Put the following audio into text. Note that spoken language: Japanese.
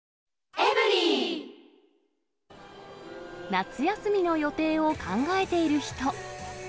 夏休みの予定を考えている人。